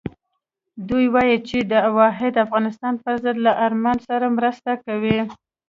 دوی وایي چې د واحد افغانستان پر ضد له ارمان سره مرسته کوي.